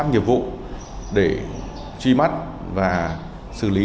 những nhiệm vụ để truy mắt và xử lý